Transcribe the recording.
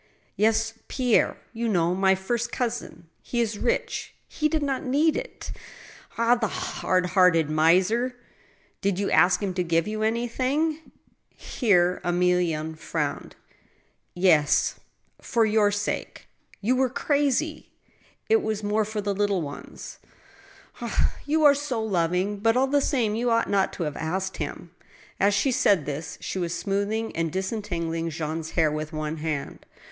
" Yes, Pierre — ^you know — my first cousin. He is rich ; he did not need it Ah ! the hard hearted miser !"" Did you ask him to give you anything ?" Here Emilienne frowned. " Yes — ^for your sake." " You were crazy !"" It was more for the little one's." " Ah ! you are so loving ! But, all the same, you ought not to have asked him." As she said this, she was smoothing and disentangling Jean's hair with one hand.